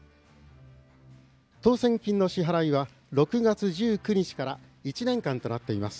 当せん金の支払いは６月１９日から１年間となっています。